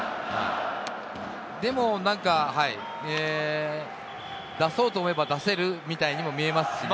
でも、何か出そうと思えば出せるみたいにも見えますしね。